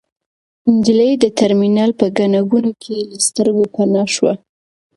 نجلۍ د ترمینل په ګڼه ګوڼه کې له سترګو پناه شوه.